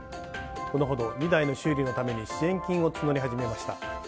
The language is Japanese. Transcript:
このほど２台の修理のために支援金を募り始めました。